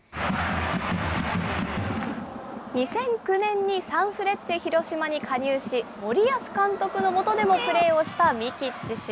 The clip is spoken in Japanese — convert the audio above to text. ２００９年にサンフレッチェ広島に加入し、森保監督のもとでもプレーをしたミキッチ氏。